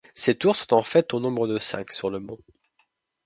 Ces tours sont en fait au nombre de cinq sur le mont.